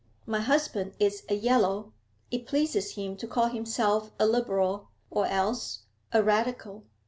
My husband is a Yellow. It pleases him to call himself a Liberal, or else a Radical.